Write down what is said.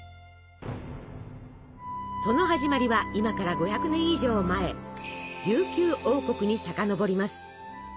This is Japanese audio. その始まりは今から５００年以上前琉球王国にさかのぼります。